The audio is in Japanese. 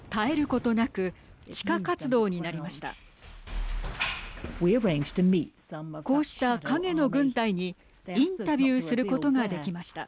こうした影の軍隊にインタビューすることができました。